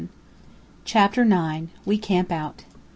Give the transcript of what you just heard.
CHAPTER IX. WE CAMP OUT.